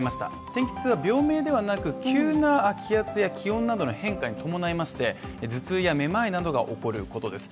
天気痛は病名ではなく急な気圧や気温などの変化に伴いまして頭痛やめまいなどが起こることです。